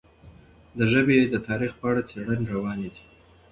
د ژبې د تاریخ په اړه څېړنې روانې دي.